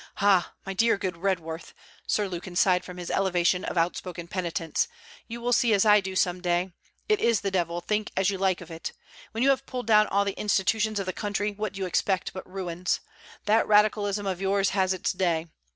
'Ah! my dear good Redworth,' Sir Lukin sighed from his elevation of outspoken penitence: 'you will see as I do some day. It is the devil, think as you like of it. When you have pulled down all the Institutions of the Country, what do you expect but ruins? That Radicalism of yours has its day.